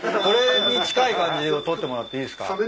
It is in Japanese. これに近い感じで撮ってもらっていいっすか？